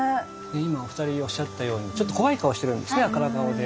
今お２人おっしゃったようにちょっと怖い顔してるんですね赤ら顔で。